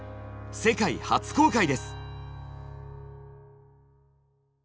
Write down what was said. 世界初公開です！